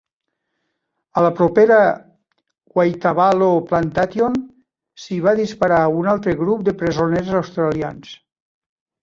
A la propera Waitavalo Plantation s'hi va disparar a un altre grup de presoners australians.